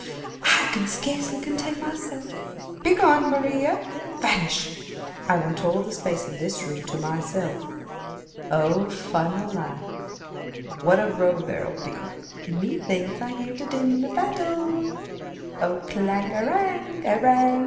I can scarcely contain myself! Begone, Maria! Vanish! I want all the space in this room to myself! Oh, fun alive! What a row there'll be! Me thinks I hear the din of battle! "Oh clanga a rang! a rang!